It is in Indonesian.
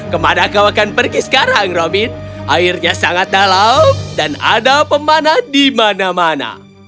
kemana kau akan pergi sekarang robin airnya sangat dalam dan ada pemanah di mana mana